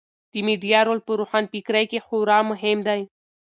د میډیا رول په روښانفکرۍ کې خورا مهم دی.